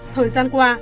thời gian qua